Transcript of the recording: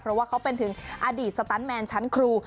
เพราะว่าเขาเป็นถึงอดีตสตันแมนชั้นครู